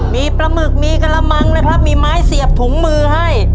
มีปลาหมึกมีกระมังนะครับมีไม้เสียบถุงมือให้